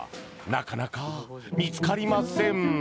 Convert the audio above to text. なかなか見つかりません。